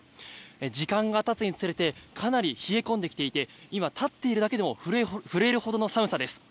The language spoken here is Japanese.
時間がたつにつれてかなり冷え込んできていて今、立っているだけでも震えるほどの寒さです。